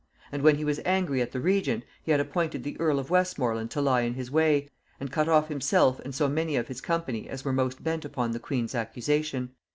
And when he was angry at the regent, he had appointed the earl of Westmorland to lie in his way, and cut off himself and so many of his company as were most bent upon the queen's accusation.